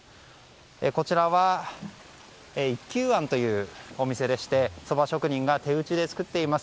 こちらは一休庵というお店でしてそば職人が手打ちで作っています。